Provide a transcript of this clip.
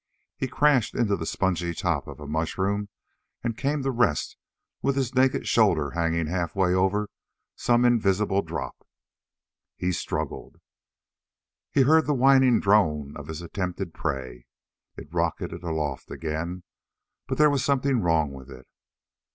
He crashed into the spongy top of a mushroom and came to rest with his naked shoulder hanging halfway over some invisible drop. He struggled. He heard the whining drone of his attempted prey. It rocketed aloft again. But there was something wrong with it.